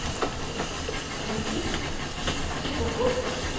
ケーキすごくおいしかった。